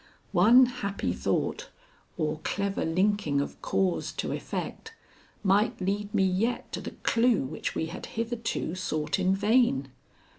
One happy thought, or clever linking of cause to effect, might lead me yet to the clue which we had hitherto sought in vain.